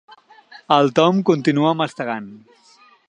El Tom continua mastegant.